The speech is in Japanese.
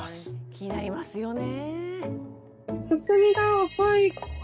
気になりますよね。